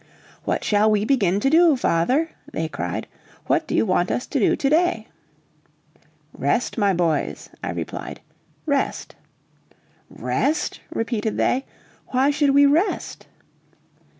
"What shall we begin to do, father?" they cried. "What do you want us to do to day?" "Rest, my boys," I replied, "rest." "Rest?" repeated they. "Why should we rest?"